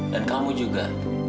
dan kamu juga